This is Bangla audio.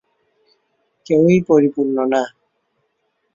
কেউই পরিপূর্ণ না।